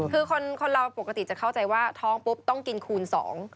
คือคนเราปกติจะเข้าใจว่าท้องปุ๊บต้องกินคูณสอง